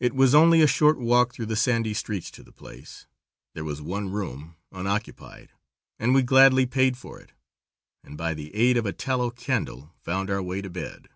It was only a short walk through the sandy streets to the place. There was one room unoccupied, and we gladly paid for it, and by the aid of a tallow candle found our way to bed.